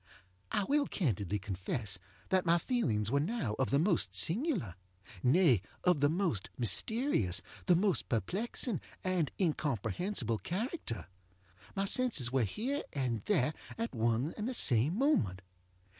I will candidly confess that my feelings were now of the most singularŌĆönay, of the most mysterious, the most perplexing and incomprehensible character. My senses were here and there at one and the same moment.